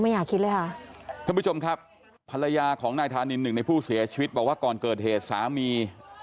อยากคิดเลยค่ะท่านผู้ชมครับภรรยาของนายธานินหนึ่งในผู้เสียชีวิตบอกว่าก่อนเกิดเหตุสามี